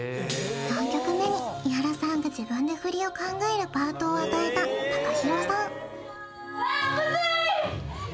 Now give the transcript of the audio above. ４曲目に伊原さんが自分で振りを考えるパートを与えたＴＡＫＡＨＩＲＯさんいや